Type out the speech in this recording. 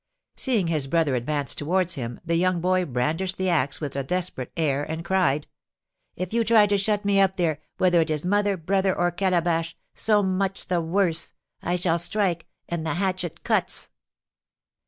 Seeing his brother advance towards him, the young boy brandished the axe with a desperate air and cried: "If you try to shut me up there, whether it is mother, brother, or Calabash, so much the worse. I shall strike, and the hatchet cuts."